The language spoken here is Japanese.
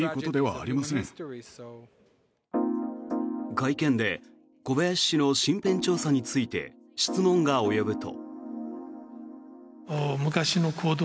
会見で小林氏の身辺調査について質問が及ぶと。